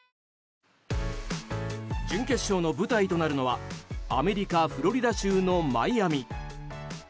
準決勝の舞台になるのはアメリカ・フロリダ州のマイアミ。